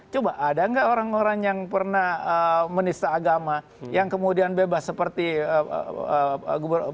coba ada nggak orang orang yang pernah menista agama yang kemudian bebas seperti gubernur